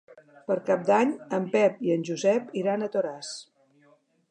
Per Cap d'Any en Pep i en Josep iran a Toràs.